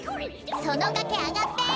そのがけあがって！